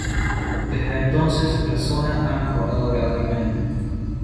Desde entonces la zona ha mejorado gradualmente.